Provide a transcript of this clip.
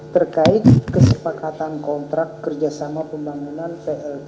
terkait kesepakatan kontrak kerjasama pembangunan pltu di riyadh indonesia